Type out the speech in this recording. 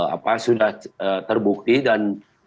apa sudah terbukti dan